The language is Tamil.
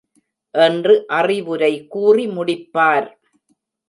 என்று அறிவுரை கூறி முடிப்பார்.